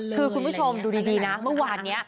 คือคุณผู้ชมดูดีนะเมื่อวานนี้